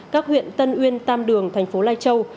các huyện tân uyên tam đường thành phố lai châu